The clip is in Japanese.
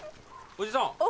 おじさん。